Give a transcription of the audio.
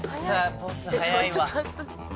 ボス早いわ。